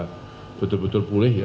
sehingga betul betul boleh ya